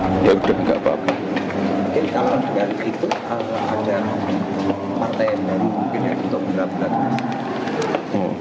mas tni mungkin yang ditobrak obrak